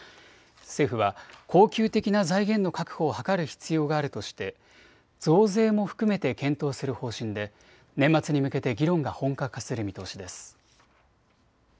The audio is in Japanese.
政府は恒久的な財源の確保を図る必要があるとして増税も含めて検討する方針で年末に向けて議論が本格化する見通しです。